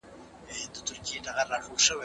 پښتون د ننګ او ناموس په ساتلو کي تکړه دی.